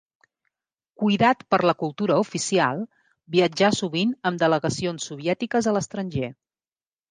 Cuidat per la cultura oficial, viatjà sovint amb delegacions soviètiques a l'estranger.